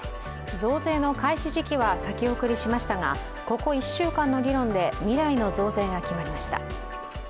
増税の開始時期は先送りしましたがここ１週間の議論で未来の増税が決まりました。